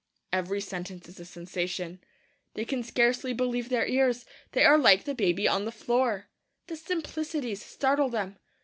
Every sentence is a sensation. They can scarcely believe their ears. They are like the baby on the floor. The simplicities startle them.